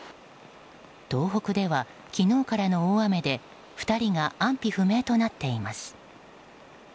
東北では昨日からの大雨で２人が安否不明となっています。